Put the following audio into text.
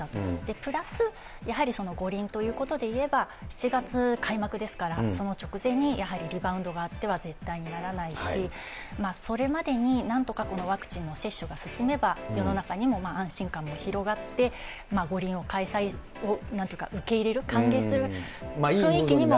プラス、やはり五輪ということでいえば、７月開幕ですから、その直前にやはりリバウンドがあっては絶対にならないし、それまでになんとかこのワクチンの接種が進めば、世の中にも安心感も広がって、五輪の開催を受け入れる、歓迎する雰囲気にも。